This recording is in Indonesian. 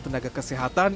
kepala kepolisian bawang